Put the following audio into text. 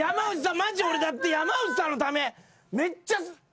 マジ俺だって山内さんのため。